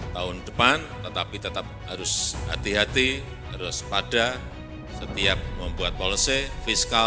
tahun depan tetapi tetap harus hati hati harus pada setiap membuat policy fiskal